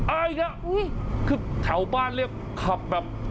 อ่าอีกแล้วคือแถวบ้านเรียกขับแบบ